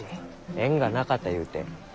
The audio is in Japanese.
縁がなかったゆうて？